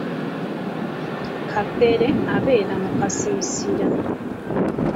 Kapere abeera mu kasiisira.